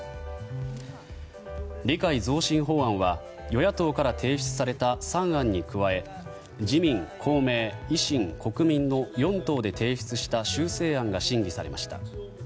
理解増進法案は与野党から提出された３案に加え自民、公明、維新、国民の４党で提出した修正案が審議されました。